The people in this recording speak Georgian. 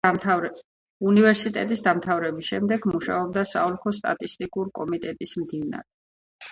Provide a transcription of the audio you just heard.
უნივერსიტეტის დამთავრების შემდეგ მუშაობდა საოლქო სტატისტიკური კომიტეტის მდივნად.